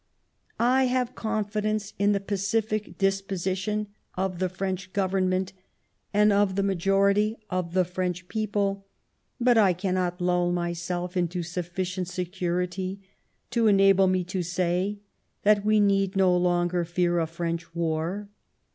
I have confidence in the pacific disposition of the French Government and of the majority of the French people ; but I cannot lull myself into sufficient security to enable me to say that we need no longer fear a French war.